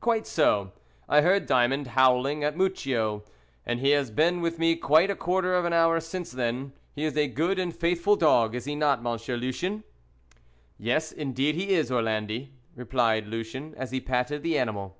"Quite so. I heard Diamond howling at Mucchio, and he has been with me quite a quarter of an hour since then; he is a good and faithful dog, is he not, Monsieur Lucien?" "Yes, indeed he is, Orlandi," replied Lucien, as he patted the animal.